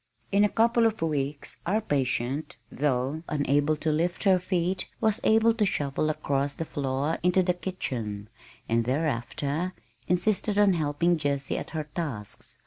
In a couple of weeks our patient, though unable to lift her feet, was able to shuffle across the floor into the kitchen, and thereafter insisted on helping Jessie at her tasks.